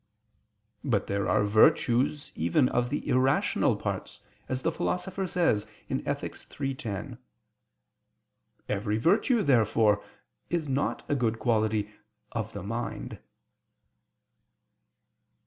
But there are virtues even of the irrational parts; as the Philosopher says (Ethic. iii, 10). Every virtue, therefore, is not a good quality "of the mind."